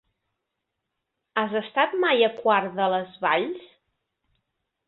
Has estat mai a Quart de les Valls?